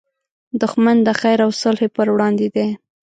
دښمن د خیر او صلحې پر وړاندې دی